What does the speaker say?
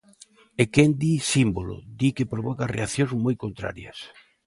E quen di símbolo, di que provoca reaccións moi contrarias.